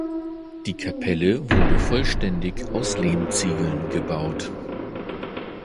Die Kapelle wurde vollständig aus Lehmziegeln gebaut.